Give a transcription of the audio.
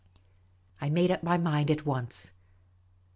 I made up my mind at once.